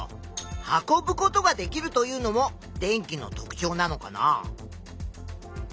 運ぶことができるというのも電気の特ちょうなのかなあ。